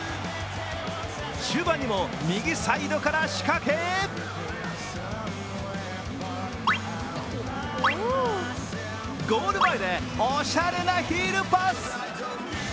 終盤にも右サイドから仕掛けゴール前でおしゃれなヒールパス。